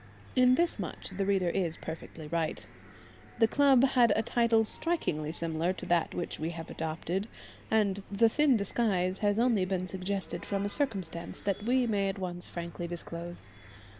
In this much the reader is perfectly right. The club had a title strikingly similar to that which we have adopted, and the thin disguise has only been suggested from a circumstance that we may at once frankly disclose.